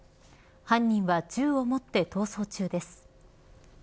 犯人は銃を持って逃走中です。